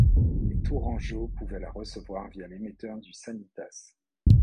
Les tourangeaux pouvaient la recevoir via l'émetteur du Sanitas.